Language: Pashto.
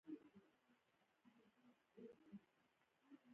د مرکزي بغلان په ګرداب ساحه کې سخته تالاشي وه.